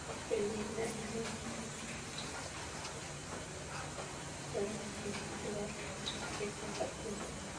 Jacqueline Kennedy le escribió una carta expresando el dolor por el vínculo que compartieron.